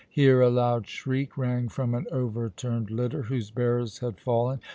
Here a loud shriek rang from an overturned litter, whose bearers had fallen.